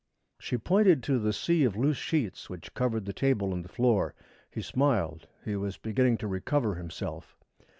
She pointed to the sea of loose sheets which covered the table and the floor. He smiled. He was beginning to recover himself.